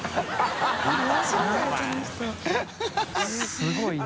すごいな。